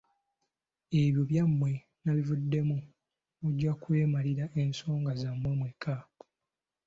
Ebyo ebyammwe nabivuddemu mujja kwemalira ensonga zammwe mwekka.